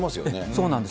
そうなんです。